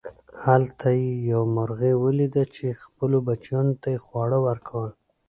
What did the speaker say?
هلته یې یوه مرغۍ وليدله چې خپلو بچیانو ته یې خواړه ورکول.